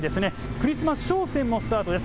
クリスマス商戦もスタートです。